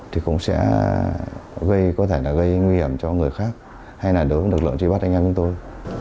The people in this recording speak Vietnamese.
thì cũng sẽ gây nguy hiểm cho người khác hay là đối với lực lượng truy bắt anh em chúng tôi